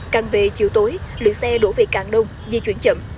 càng về chiều tối lượng xe đổ về càng đông di chuyển chậm